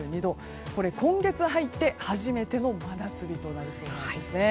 今月入って初めての真夏日となりそうです。